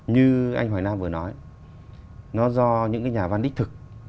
như anh hoài nam vừa nói nó do những cái nhà văn đích thực